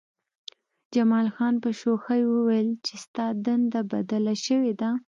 جمال خان په شوخۍ وویل چې ستا دنده بدله شوې ده